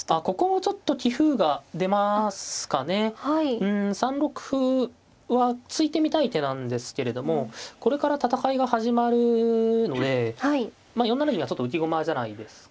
うん３六歩は突いてみたい手なんですけれどもこれから戦いが始まるのでまあ４七銀がちょっと浮き駒じゃないですか。